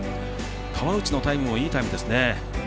川内のタイムもいいタイムですね。